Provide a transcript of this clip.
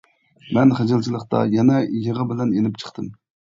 مەن خىجىلچىلىقتا يەنە يىغا بىلەن يېنىپ چىقتىم.